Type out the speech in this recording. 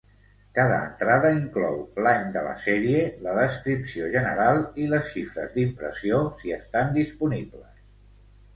Cada entrada inclou l'any de la sèrie, la descripció general i les xifres d'impressió, si estan disponibles.